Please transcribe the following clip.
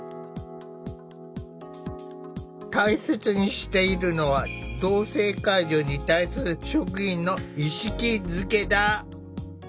大切にしているのは同性介助に対する職員の意識づけだ。